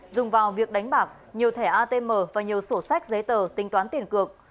dùng vào việc đánh bạc nhiều thẻ atm và nhiều sổ sách giấy tờ tính toán tiền cược